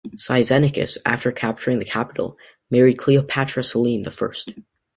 Cyzicenus, after capturing the capital, married Cleopatra Selene the First.